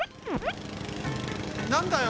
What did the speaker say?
なんだよ。